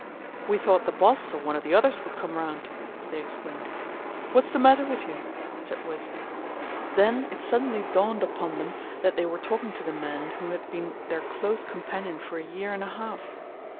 "We thought the Boss or one of the others would come round," they explained. "What's the matter with you?" said Worsley. Then it suddenly dawned upon them that they were talking to the man who had been their close companion for a year and a half.